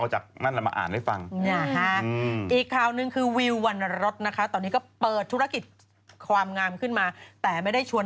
จากเว้บข่าวเว้บหนึ่งตอนนี้ก็มีใคร